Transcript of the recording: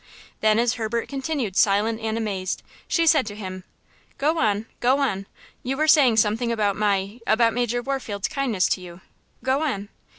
Then, as Herbert continued silent and amazed, she said to him: "Go on, go on–you were saying something about my–about Major Warfield's kindness to you–go on."